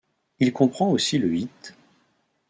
Il comprend aussi le hit '.